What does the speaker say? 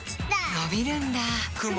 のびるんだ